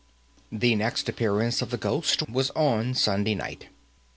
The second appearance of the ghost was on Sunday night.